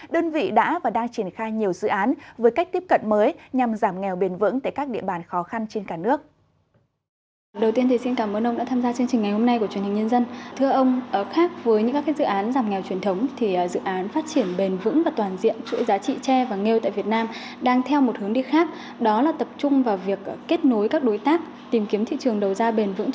đơn vị đã và đang triển khai nhiều dự án với cách tiếp cận mới nhằm giảm nghèo bền vững tại các địa bàn khó khăn trên cả nước